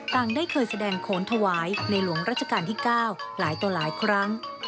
ได้เคยแสดงโขนถวายในหลวงราชการที่๙หลายต่อหลายครั้ง